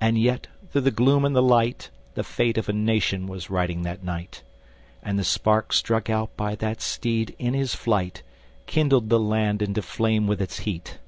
And yet, through the gloom and the light, The fate of a nation was riding that night; And the spark struck out by that steed, in his flight, Kindled the land into flame with its heat.